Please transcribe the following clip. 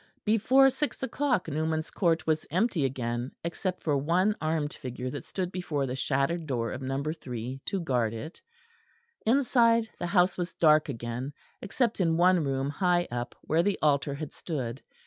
Before six o'clock Newman's Court was empty again, except for one armed figure that stood before the shattered door of No. 3 to guard it. Inside the house was dark again except in one room high up where the altar had stood.